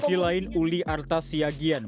di sisi lain uli arta siagian